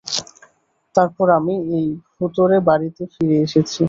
তারপর আমি, এই ভুতুড়ে বাড়িতে ফিরে এসেছি।